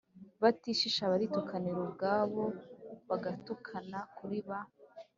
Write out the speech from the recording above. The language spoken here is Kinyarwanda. batishisha baritukanira ubwabo, bagatukana kuri ba